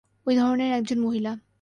ওই ধরণের একজন মহিলা।